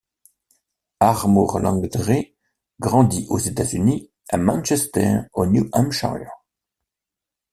Armour Landry grandit aux États-Unis, à Manchester au New Hampshire.